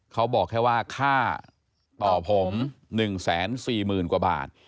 เขาบอกแค่ว่าค่าต่อผม๑๔๐๐๐กว่าบาท